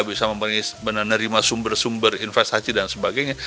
bisa menerima sumber sumber investasi dan sebagainya